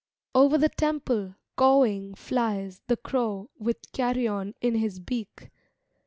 Over the temple cawing flies The crow with carrion in his beak.